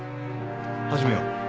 始めよう。